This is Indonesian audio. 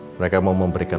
mereka mau memberikan